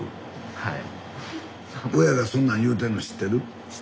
はい。